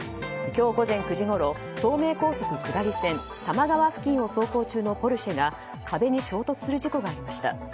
今日午前９時ごろ東名高速下り線多摩川付近を走行中のポルシェが壁に衝突する事故がありました。